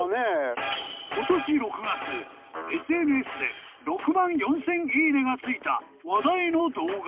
［今年６月ＳＮＳで６万４，０００いいねがついた話題の動画］